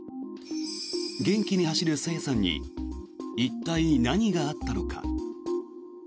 元気に走る朝芽さんに一体、何があったのか。